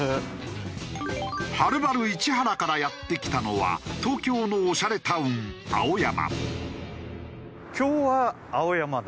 はるばる市原からやって来たのは東京のオシャレタウン青山。